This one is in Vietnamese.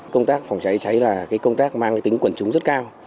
công tác phòng cháy cháy là công tác mang tính quần chúng rất cao